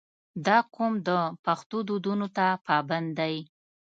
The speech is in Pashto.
• دا قوم د پښتو دودونو ته پابند دی.